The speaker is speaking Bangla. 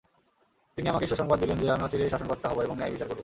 তিনি আমাকে সুসংবাদ দিলেন যে, আমি অচিরেই শাসনকর্তা হব এবং ন্যায় বিচার করব।